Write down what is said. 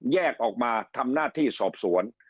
แยกออกมาทำหน้าที่สอบสวน